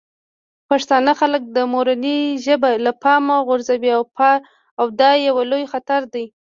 پښتانه خپله مورنۍ ژبه له پامه غورځوي او دا یو لوی خطر دی.